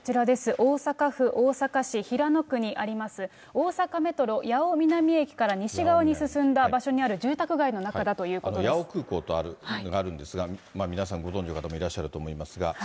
大阪府大阪市平野区にあります、大阪メトロ八尾南駅から西側に進んだ場所にある住宅街の中だとい八尾空港があるんですが、皆さん、ご存じの方もいらっしゃると思いますが。